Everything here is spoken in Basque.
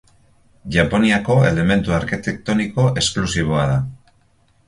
Japoniako elementu arkitektoniko esklusiboa da.